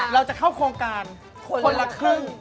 เราจะเข้าโครงการคนละครึ่ง